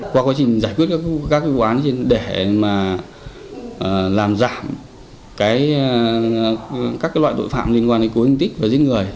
qua quá trình giải quyết các vụ án để làm giảm các loại tội phạm liên quan đến cối thương tích và giết người